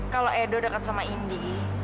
kalau edo dekat sama indi